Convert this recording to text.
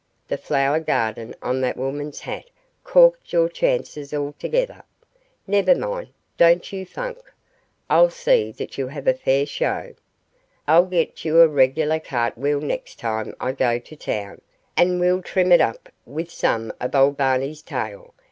The flower garden on that woman's hat corked your chances altogether. Never mind, don't you funk; I'll see that you have a fair show. I'll get you a regular cart wheel next time I go to town, and we'll trim it up with some of old Barney's tail.